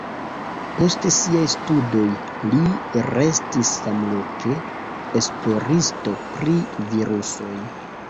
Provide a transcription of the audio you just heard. Post siaj studoj li restis samloke esploristo pri virusoj.